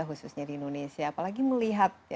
khususnya di indonesia apalagi melihat